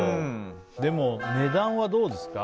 でも値段はどうですか？